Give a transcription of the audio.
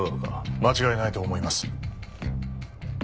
間違いないと思います。